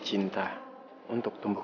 jangan sampai cuy